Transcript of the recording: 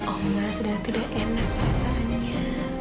allah sedang tidak enak rasanya